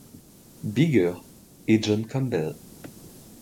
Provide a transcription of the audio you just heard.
Bigger, et John Campbell.